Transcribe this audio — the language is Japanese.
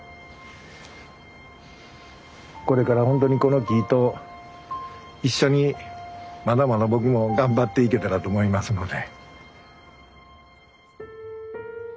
これからほんとにこの木と一緒にまだまだ僕も頑張っていけたらと思いますので。